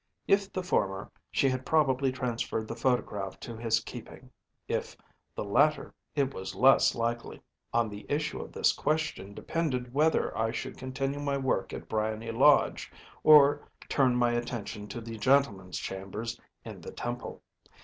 If the former, she had probably transferred the photograph to his keeping. If the latter, it was less likely. On the issue of this question depended whether I should continue my work at Briony Lodge, or turn my attention to the gentleman’s chambers in the Temple.